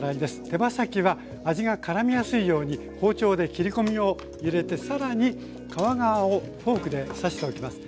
手羽先は味がからみやすいように包丁で切り込みを入れて更に皮側をフォークで刺しておきます。